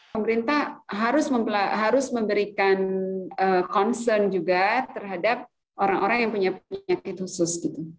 pemerintah harus memberikan concern juga terhadap orang orang yang punya penyakit khusus